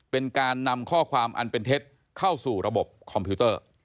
เป็นการนำข้อความอันเป็นเท็จเข้าสู่ระบบคอมพิวเตอร์